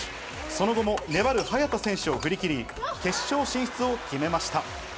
その後も粘る早田選手を振り切り、決勝進出を決めました。